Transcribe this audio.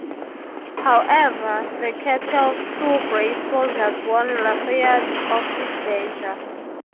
However, the capture of two of Grey's soldiers warned Lafayette of his danger.